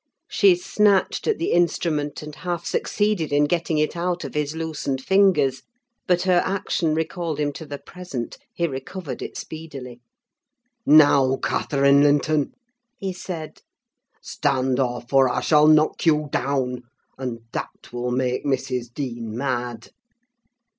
She snatched at the instrument, and half succeeded in getting it out of his loosened fingers: but her action recalled him to the present; he recovered it speedily. "Now, Catherine Linton," he said, "stand off, or I shall knock you down; and that will make Mrs. Dean mad."